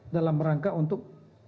dalam rangka untuk